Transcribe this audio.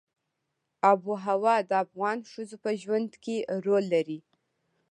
آب وهوا د افغان ښځو په ژوند کې رول لري.